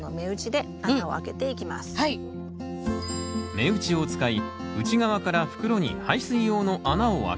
目打ちを使い内側から袋に排水用の穴をあけます。